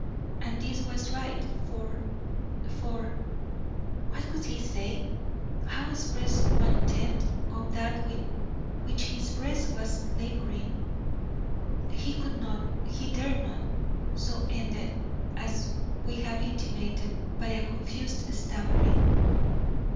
And this was right, for for " What could he say, how express one tenth of that with which his breast was labouring! He could not, he dared not, so ended, as we have intimated, by a confused stammering.